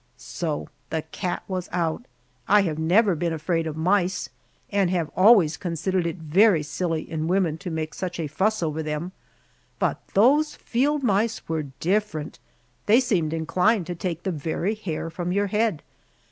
So the cat was out! I have never been afraid of mice, and have always considered it very silly in women to make such a fuss over them. But those field mice were different; they seemed inclined to take the very hair from your head.